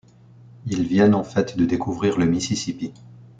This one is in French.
Ils viennent en fait de découvrir le Mississippi.